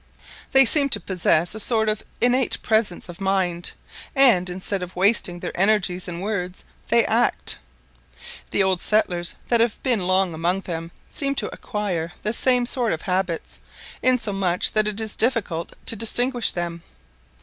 They seem to possess a sort of innate presence of mind, and instead of wasting their energies in words, they act. The old settlers that have been long among them seem to acquire the same sort of habits, insomuch that it is difficult to distinguish them.